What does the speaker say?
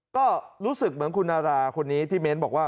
ก็รู้สึกเหมือนคุณนาราคนนี้ที่เม้นบอกว่า